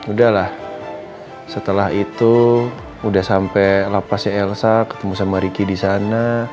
udahlah setelah itu udah sampe lapasnya elsa ketemu sama ricky disana